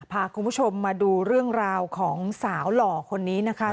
พาคุณผู้ชมมาดูเรื่องราวของสาวหล่อคนนี้นะคะ